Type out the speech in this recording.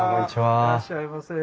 いらっしゃいませ。